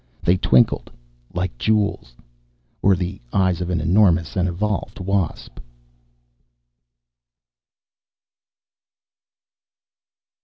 They twinkled. Like jewels. Or the eyes of an enormous and evolved wasp.